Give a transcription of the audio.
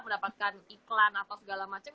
mendapatkan iklan atau segala macam